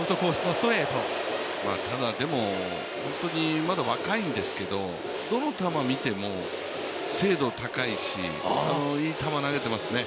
ただ、本当にまだ若いんですけど、どの球を見ても精度高いし、いい球投げてますね。